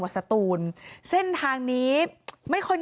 เส้นทางที่๓